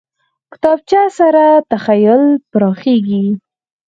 کتابچه سره تخیل پراخېږي